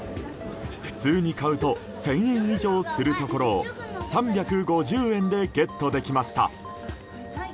普通に買うと１０００円以上するところを３５０円でゲットできました。